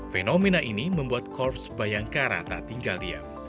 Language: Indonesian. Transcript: fenomena ini membuat korps bayangkara tak tinggal diam